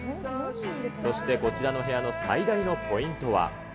そしてこちらの部屋の最大のポイントは。